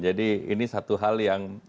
jadi ini satu hal yang